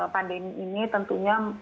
pandemi ini tentunya